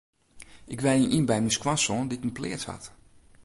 Ik wenje yn by my skoansoan dy't in pleats hat.